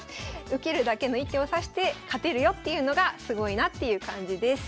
受けるだけの一手を指して勝てるよっていうのがすごいなっていう感じです。